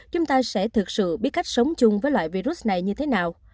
chúng ta sẽ thực sự biết cách sống chung với loại virus này như thế nào